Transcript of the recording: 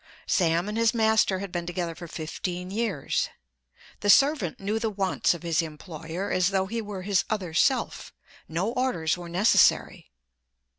Sam and his master had been together for fifteen years. The servant knew the wants of his employer as though he were his other self. No orders were necessary.